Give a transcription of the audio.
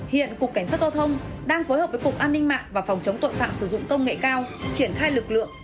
hiện cục cảnh sát giao thông đang phối hợp với cục an ninh mạng và phòng chống tội phạm sử dụng công nghệ cao triển khai lực lượng